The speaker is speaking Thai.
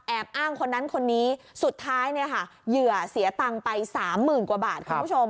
อ้างคนนั้นคนนี้สุดท้ายเนี่ยค่ะเหยื่อเสียตังค์ไปสามหมื่นกว่าบาทคุณผู้ชม